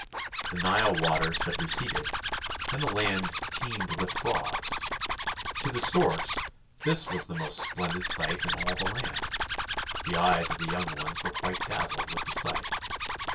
The Nile waters had receded, and the land teemed with frogs; to the storks this was the most splendid sight in all the land. The eyes of the young ones were quite dazzled with the sight.